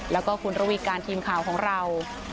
แล้วก็คุณระวีการทีมข่าวของเรา